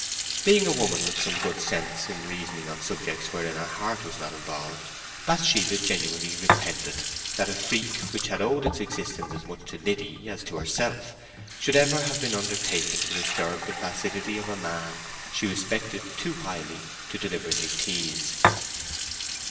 Being a woman with some good sense in reasoning on subjects wherein her heart was not involved, Bathsheba genuinely repented that a freak which had owed its existence as much to Liddy as to herself, should ever have been undertaken, to disturb the placidity of a man she respected too highly to deliberately tease.